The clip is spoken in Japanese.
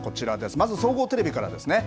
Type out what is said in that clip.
まず総合テレビからですね。